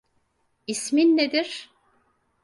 İsmin nedir?